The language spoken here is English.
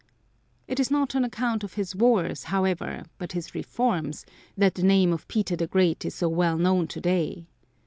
It is not on account of his wars, however, but his reforms, that the name of Peter the Great is so well known to day.